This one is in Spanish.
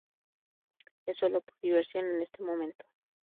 Es solo por diversión en este momento.